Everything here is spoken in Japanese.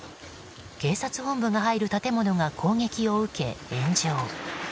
警察本部が入る建物が攻撃を受け炎上。